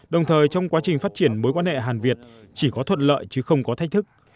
đồng thời trong quá trình phát triển mối quan hệ hàn việt chỉ có thuận lợi chứ không có thách thức